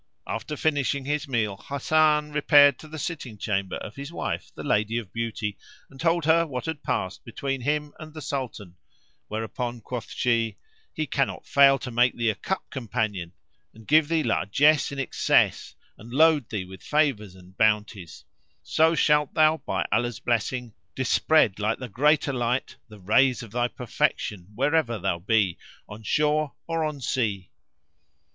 After finishing his meal Hasan repaired to the sitting chamber of his wife, the Lady of Beauty, and told her what had past between him and the Sultan; whereupon quoth she, "He cannot fail to make thee a cup companion and give thee largess in excess and load thee with favours and bounties; so shalt thou, by Allah's blessing, dispread, like the greater light, the rays of thy perfection wherever thou be, on shore or on sea."